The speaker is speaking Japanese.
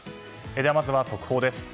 では、まずは速報です。